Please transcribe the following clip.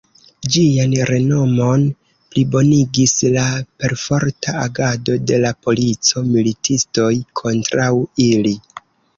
Ĝian renomon plibonigis la perforta agado de la polico, militistoj kontraŭ ili.